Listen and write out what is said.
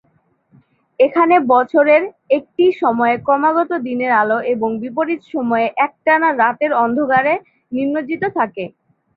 এখানে বছরের একটি সময়ে ক্রমাগত দিনের আলো, এবং বিপরীত সময়ে একটানা রাতের অন্ধকারে নিমজ্জিত থাকে।